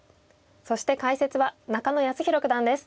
そして解説は中野泰宏九段です。